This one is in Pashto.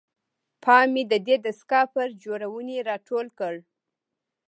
پام مې ددې دستګاه پر جوړونې راټول کړ.